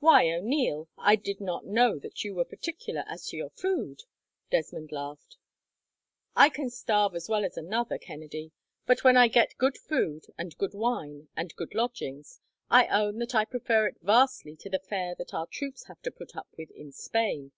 "Why, O'Neil, I did not know that you were particular as to your food," Desmond laughed. "I can starve as well as another, Kennedy, but when I get good food and good wine and good lodgings, I own that I prefer it vastly to the fare that our troops have to put up with, in Spain.